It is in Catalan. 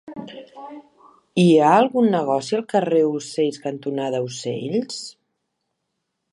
Hi ha algun negoci al carrer Ocells cantonada Ocells?